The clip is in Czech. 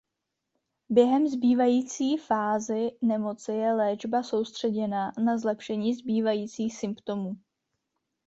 Během zbývající fázi nemoci je léčba soustředěna na zlepšení zbývajících symptomů.